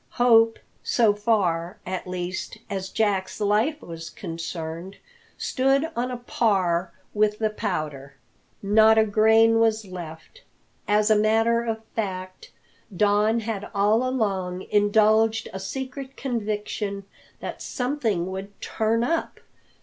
Hope so far, at least, as Jack's life was concerned stood on a par with the powder: not a grain was left. As a matter of fact, Don had all along indulged a secret conviction that "something would turn Up."